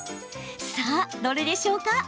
さあ、どれでしょうか？